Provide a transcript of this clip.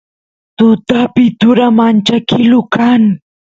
tutapi turay manchkilu kan